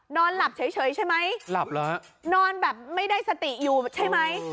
นอนหลับเฉยใช่ไหมหลับเหรอฮะนอนแบบไม่ได้สติอยู่ใช่ไหม